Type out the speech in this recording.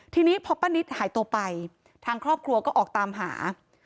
ทีนี้พอป้านิตหายตัวไปทางครอบครัวก็ออกตามหา